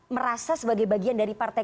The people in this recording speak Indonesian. merasa sebagai bagian dari partai